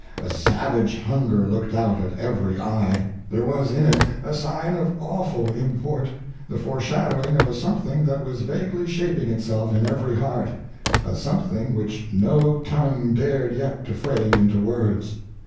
A savage hunger looked out at every eye. There was in it a sign of awful import the foreshadowing of a something that was vaguely shaping itself in every heart a something which no tongue dared yet to frame into words.